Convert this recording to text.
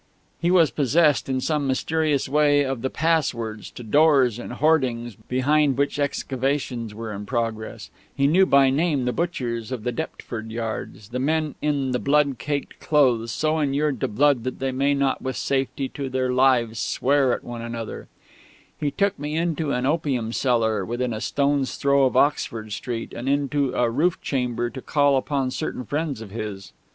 He was possessed in some mysterious way of the passwords to doors in hoardings behind which excavations were in progress; he knew by name the butchers of the Deptford yards, the men in the blood caked clothes, so inured to blood that they may not with safety to their lives swear at one another; he took me into an opium cellar within a stone's throw of Oxford Street, and into a roof chamber to call upon certain friends of his